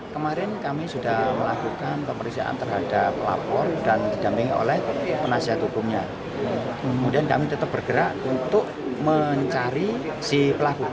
kemudian kami tetap bergerak untuk mencari si pelaku